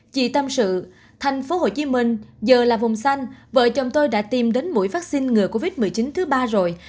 chị tâm sự thành phố hồ chí minh giờ là vùng xanh vợ chồng tôi đã tìm đến mũi vaccine ngừa covid một mươi chín thứ ba rồi